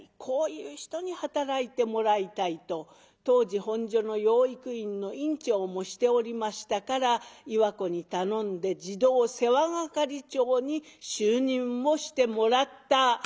こういう人に働いてもらいたい」と当時本所の養育院の院長もしておりましたから岩子に頼んで児童世話係長に就任をしてもらった。